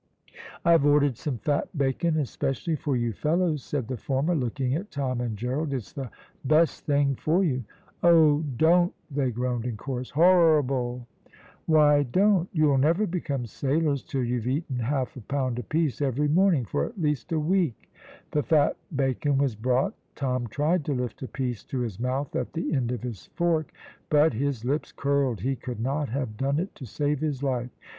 "I've ordered some fat bacon especially for you fellows," said the former, looking at Tom and Gerald; "it's the best thing for you." "Oh, don't," they groaned in chorus. "Horrible!" "Why don't? You'll never become sailors till you've eaten half a pound apiece every morning, for at least a week." The fat bacon was brought. Tom tried to lift a piece to his mouth at the end of his fork, but his hips curled, he could not have done it to save his life.